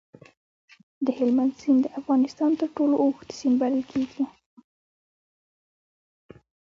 د هلمند سیند د افغانستان تر ټولو اوږد سیند بلل کېږي.